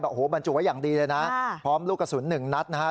โอ้โหบรรจุไว้อย่างดีเลยนะพร้อมลูกกระสุนหนึ่งนัดนะฮะ